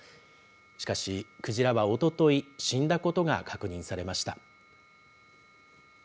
しかし、クジラはおととい、死んだことが確認されました。